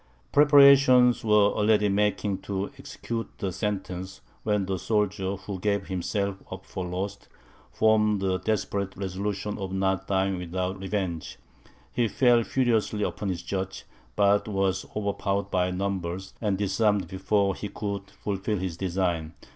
Preparations were already making to execute the sentence, when the soldier, who gave himself up for lost, formed the desperate resolution of not dying without revenge. He fell furiously upon his judge, but was overpowered by numbers, and disarmed before he could fulfil his design.